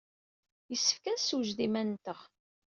Yessefk ad nessewjed iman-nteɣ.